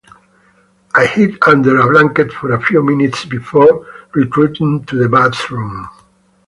I hid under a blanket for a few minutes before retreating to the bathroom.